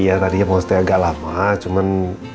iya tadinya mau stay agak lama cuman